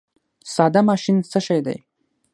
ساده ماشین څه شی دی؟